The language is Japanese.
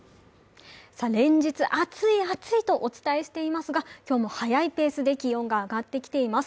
連日、暑い、暑いとお伝えしていますが今日も早いペースで気温が上がってきています。